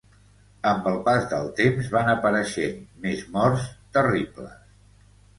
Amb el pas del temps van apareixent més morts terribles.